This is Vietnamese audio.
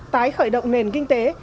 tái khởi động nền kinh tế